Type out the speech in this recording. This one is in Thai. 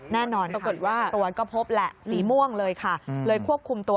แน่นอนปรากฏว่าตรวจก็พบแหละสีม่วงเลยค่ะเลยควบคุมตัว